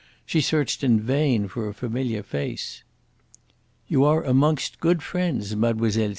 She searched in vain for a familiar face. "You are amongst good friends, Mlle.